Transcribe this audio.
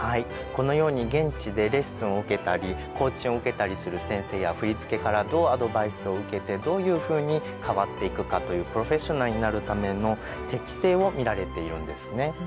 このように現地でレッスンを受けたりコーチングを受けたりする先生や振付からどうアドバイスを受けてどういうふうに変わっていくかというプロフェッショナルになるための適性を見られているんですね。